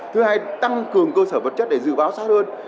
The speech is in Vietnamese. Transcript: thứ hai tăng cường cơ sở vật chất để dự báo sát hơn